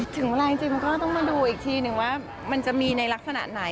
ถึงรายจิ็มก็ต้องมาดูอีกทีหนึ่งว่ามันจะมีแภนในลักษณะไหน